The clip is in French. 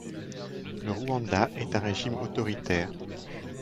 Le Rwanda est un régime autoritaire.